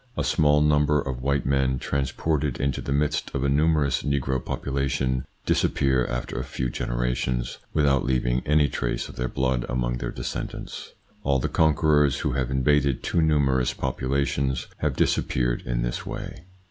A small number of white men transported into the midst of a numerous negro population disappear, after a few generations, without leaving any trace of their blood among their descendants. All the conquerors who have invaded too numerous populations have dis appeared in this way.